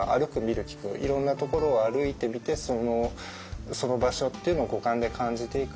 いろんなところを歩いてみてその場所っていうのを五感で感じていく。